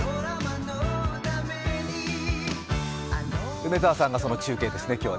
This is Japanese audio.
梅澤さんがその中継ですね。